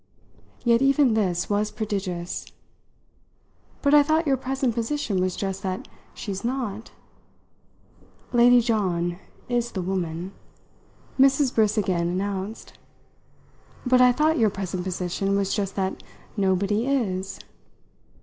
Yet even this was prodigious. "But I thought your present position was just that she's not!" "Lady John is the woman," Mrs. Briss again announced. "But I thought your present position was just that nobody is!"